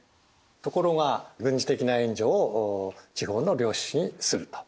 ところが軍事的な援助を地方の領主にすると。